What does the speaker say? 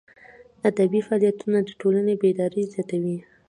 ادبي فعالیتونه د ټولني بیداري زیاتوي.